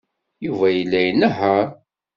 Yuba yella inehheṛ.